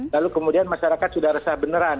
lalu kemudian masyarakat sudah resah beneran